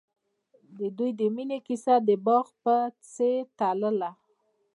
د دوی د مینې کیسه د باغ په څېر تلله.